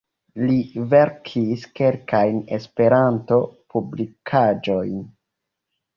Li verkis kelkajn Esperanto-publikaĵojn.